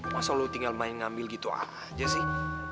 masa lalu tinggal main ngambil gitu aja sih